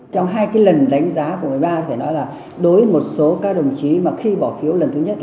trong hai lần đánh giá của một mươi ba đối với một số các đồng chí khi bỏ phiếu lần thứ nhất